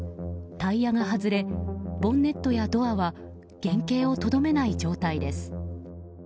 タイヤが外れボンネットやドアは原形をとどめない状態です。